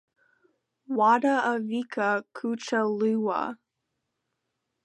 Wadavika kuchelewa.